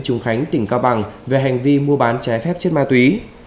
trùng khánh tỉnh cao bằng về hành vi mua bán trái phép trên ma túy